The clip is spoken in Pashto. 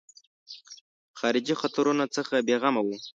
خارجي خطرونو څخه بېغمه وو.